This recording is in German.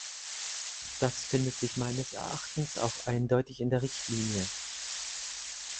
Das findet sich meines Erachtens auch eindeutig in der Richtlinie.